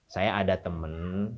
saya ada temen